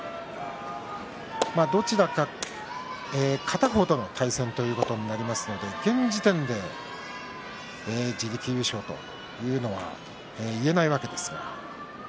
どちらか片方との対戦ということになりますので現時点で自力優勝というのは言えないわけです。